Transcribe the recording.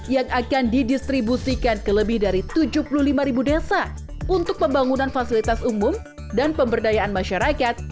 yang akan didistribusikan ke lebih dari tujuh puluh lima ribu desa untuk pembangunan fasilitas umum dan pemberdayaan masyarakat